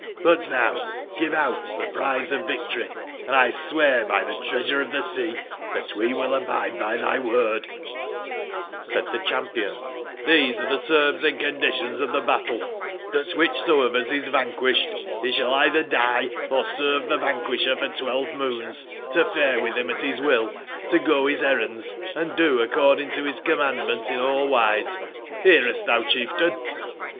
But now give out tbe prize of victory, and 1 swear by tbe XTreasu re of tbe Sea tbat we will abide by tby word/* g^^lHlD tbe cbampion :'' tibese are tbe terms & 1^^^ conditions of tbe battle; tbat wbicbso of us ^^?^ is vanquished, be sball either die, or serve tbe vanquisher for twelve moons, to fare witb him at bis will, to go bis errands, & do according to bis com mandment in all wise, nearest thou, chieftain